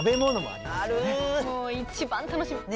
もう一番楽しみ。